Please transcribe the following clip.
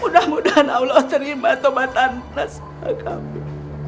mudah mudahan allah terima tobatan plus kami